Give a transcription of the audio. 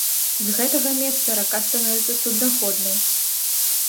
З гэтага месца рака становіцца суднаходнай.